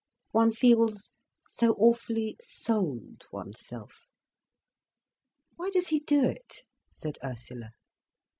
One feels so awfully sold, oneself." "Why does he do it?" said Ursula.